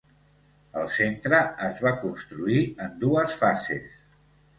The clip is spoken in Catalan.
El centre es va construir en dues fases.